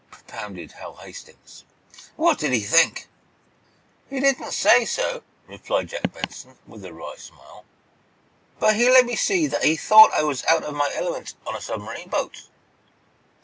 propounded Hal Hastings. "What did he think?" "He didn't say so," replied Jack Benson, with a wry smile, "but he let me see that he thought I was out of my element on a submarine boat."